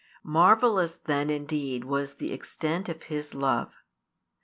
Marvellous then indeed was the extent of His love.